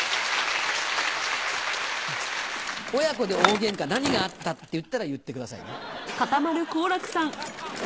「親子で大ゲンカ何があった？」って言ったら言ってくださいね。